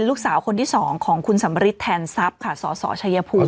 แล้วคนที่สองของคุณสมฤทธิ์แทนทรัพย์ค่ะสสชภูมิ